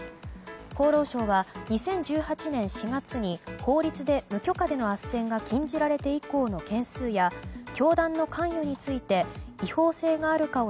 厚労省は２０１８年４月に法律で無許可でのあっせんが禁じられて以降の件数や教団の関与について違法性があるかを